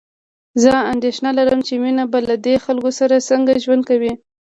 زه اندېښنه لرم چې مينه به له دې خلکو سره څنګه ژوند کوي